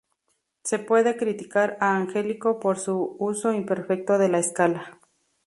Se puede criticar a Angelico por su uso imperfecto de la escala.